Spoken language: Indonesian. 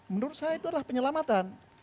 menurut saya itu adalah penyelamatan